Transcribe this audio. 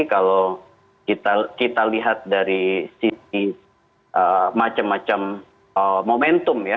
kalau kita lihat dari sisi macam macam momentum ya